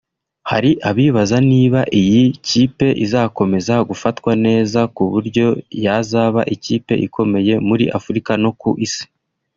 Hari abibaza niba iyi kipe izakomeza gufatwa neza ku buryo yazaba ikipe ikomeye muri Afurika no ku isi